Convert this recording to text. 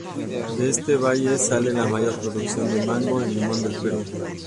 De este valle sale la mayor producción de mango y limón del Perú.